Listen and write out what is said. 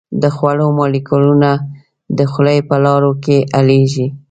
د خوړو مالیکولونه د خولې په لاړو کې حلیږي.